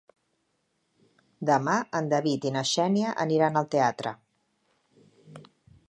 Demà en David i na Xènia aniran al teatre.